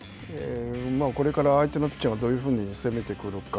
これから相手のピッチャーがどういうふうに攻めてくるか。